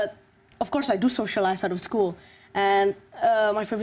tapi tentu saja saya berkomunikasi di sekolah